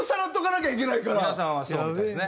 皆さんはそうみたいですね。